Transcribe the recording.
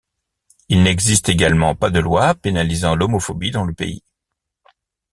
Il n'existe également pas de loi pénalisant l'homophobie dans le pays.